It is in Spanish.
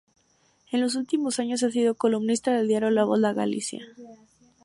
En los últimos años ha sido columnista del diario La Voz de Galicia.